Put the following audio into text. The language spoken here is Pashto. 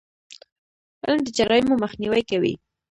علم د جرایمو مخنیوی کوي.